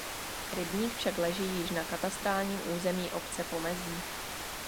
Rybník však leží již na katastrálním území obce Pomezí.